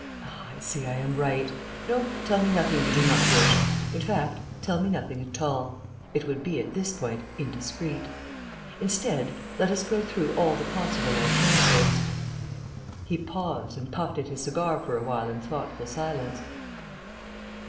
Ah, I see I am right. No, tell me nothing you do not wish. In fact, tell me nothing at all. It would be, at this point, indiscreet. Instead, let us go through all the possible alternatives." He paused, and puffed at his cigar for a while in thoughtful silence.